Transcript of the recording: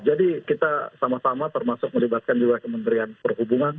jadi kita sama sama termasuk melibatkan juga kementerian perhubungan